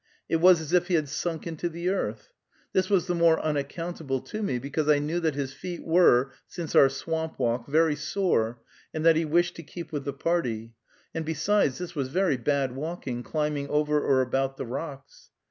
It was as if he had sunk into the earth. This was the more unaccountable to me, because I knew that his feet were, since our swamp walk, very sore, and that he wished to keep with the party; and besides this was very bad walking, climbing over or about the rocks.